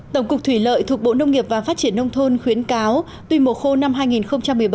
tổng cục thủy lợi thuộc bộ nông nghiệp và phát triển nông thôn khuyến cáo tuy mùa khô năm hai nghìn một mươi bảy